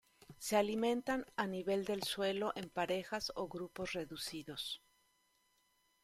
Se alimentan a nivel del suelo en parejas o grupos reducidos.